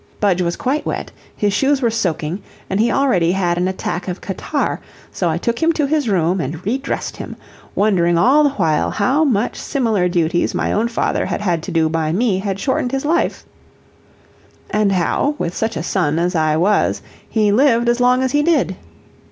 Budge was quite wet, his shoes were soaking, and he already had an attack of catarrh; so I took him to his room and re dressed him, wondering all the while how much similar duties my own father had had to do by me had shortened his life, and how, with such a son as I was, he lived as long as he did.